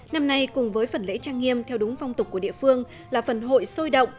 năm nay cùng với phần lễ trang nghiêm theo đúng phong tục của địa phương là phần hội sôi động